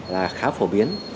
là khá phổ biến